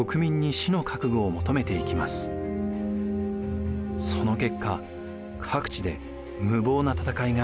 その結果各地で無謀な戦いが繰り広げられました。